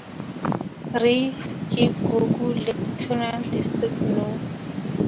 Riigikogu electoral district no.